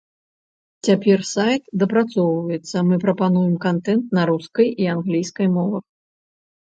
Цяпер сайт дапрацоўваецца, мы папаўняем кантэнт на рускай і англійскай мовах.